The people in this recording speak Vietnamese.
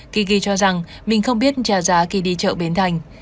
tigi cho rằng mình không biết trả giá khi đi chợ bến thành